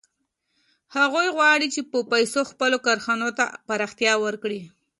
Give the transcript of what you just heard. هغوی غواړي چې په پیسو خپلو کارخانو ته پراختیا ورکړي